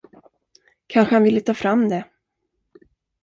Kanske han ville ta fram det.